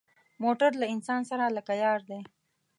موټر له انسان سره لکه یار دی.